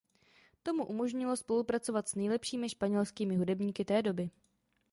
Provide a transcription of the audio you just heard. To mu umožnilo spolupracovat s nejlepšími španělskými hudebníky té doby.